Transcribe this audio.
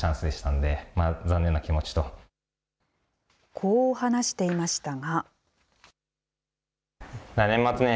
こう話していましたが。